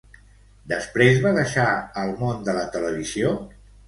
Després va deixar el món de la televisió?